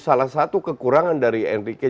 salah satu kekurangan dari enrique